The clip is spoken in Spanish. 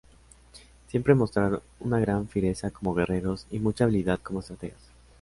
Siempre mostraron una gran fiereza como guerreros y mucha habilidad como estrategas.